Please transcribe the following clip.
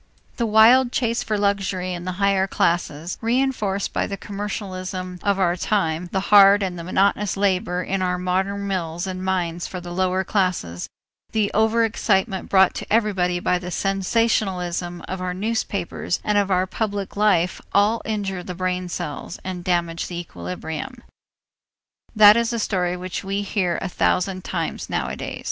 The wild chase for luxury in the higher classes, reënforced by the commercialism of our time, the hard and monotonous labor in our modern mills and mines for the lower classes, the over excitement brought to everybody by the sensationalism of our newspapers and of our public life all injure the brain cells and damage the equilibrium. That is a story which we hear a thousand times nowadays.